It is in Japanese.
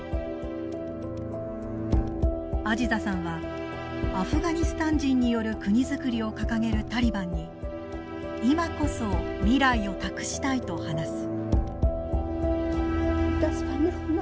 アジザさんはアフガニスタン人による国づくりを掲げるタリバンに今こそ未来を託したいと話す。